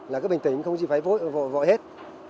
là cứ bình tĩnh không gì phải vội hết